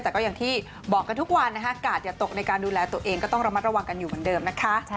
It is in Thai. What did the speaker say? แต่ก็อย่างที่บอกกันทุกวันนะคะกาดอย่าตกในการดูแลตัวเองก็ต้องระมัดระวังกันอยู่เหมือนเดิมนะคะ